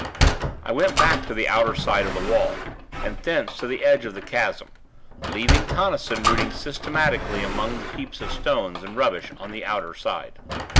I went back to the outer side of the wall, and thence to the edge of the chasm, leaving Tonnison rooting systematically among the heap of stones and rubbish on the outer side.